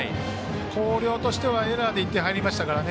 広陵としてはエラーで１点入りましたからね。